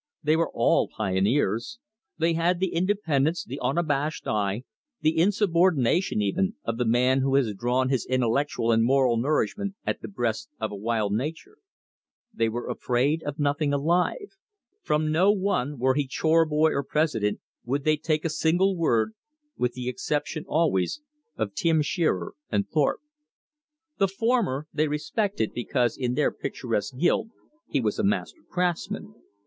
They were all pioneers. They had the independence, the unabashed eye, the insubordination even, of the man who has drawn his intellectual and moral nourishment at the breast of a wild nature. They were afraid of nothing alive. From no one, were he chore boy or president, would they take a single word with the exception always of Tim Shearer and Thorpe. The former they respected because in their picturesque guild he was a master craftsman.